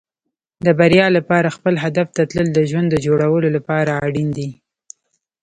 د بریا لپاره خپل هدف ته تلل د ژوند د جوړولو لپاره اړین دي.